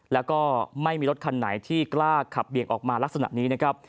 แล้วก็ไม่มีรถคันไหนที่กล้าขับเบี่ยงออกมาลักษณะนี้นะครับ